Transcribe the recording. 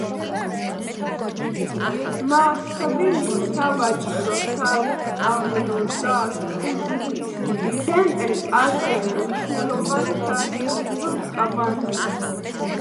მსხვილი სავაჭრო, სასწავლო და კულტურული ცენტრი, ასევე მნიშვნელოვანი სარკინიგზო კვანძი.